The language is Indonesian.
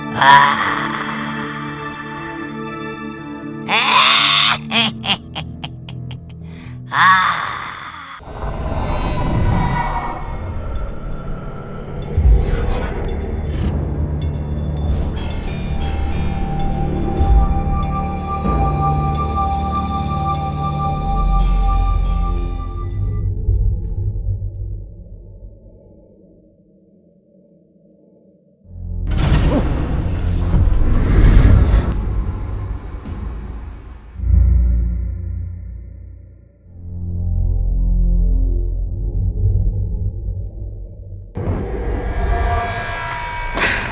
pak selalu berhenti buatin